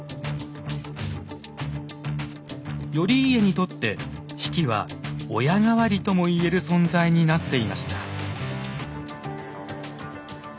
頼家にとって比企は親代わりとも言える存在になっていました。